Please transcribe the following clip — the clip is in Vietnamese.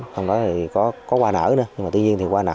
không nói là có qua nở nữa nhưng mà tuy nhiên qua nở